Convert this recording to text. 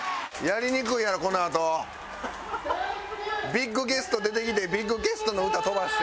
ビッグゲスト出てきてビッグゲストの歌飛ばして。